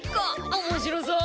おもしろそう！